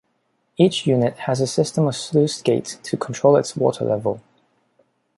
Each unit has a system of sluice gates to control its water level.